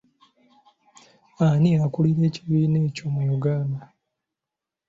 Ani akulira ekibiina ekyo mu Uganda?